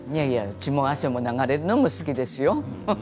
血も汗も流れるのも好きですよ。